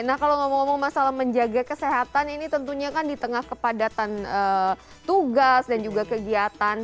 nah kalau ngomong ngomong masalah menjaga kesehatan ini tentunya kan di tengah kepadatan tugas dan juga kegiatan